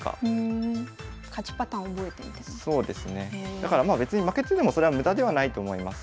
だからまあ負けててもそれは無駄ではないと思います。